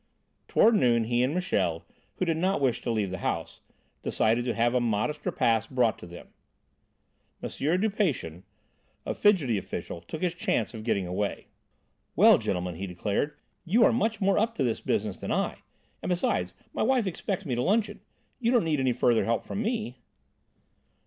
Toward noon he and Michel, who did not wish to leave the house, decided to have a modest repast brought to them. M. Dupation, a fidgety official, took this chance of getting away. "Well, gentlemen," he declared, "you are much more up to this business than I, and besides my wife expects me to luncheon. You don't need any further help from me?"